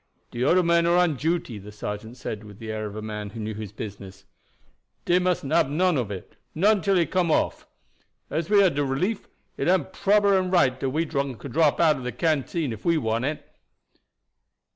"De oder men are on duty," the sergeant said with the air of a man who knew his business; "dey mustn't hab none of it, not until dey comes off. As we are de relief, it am proper and right dat we drink a drop out of a canteen ef we want it."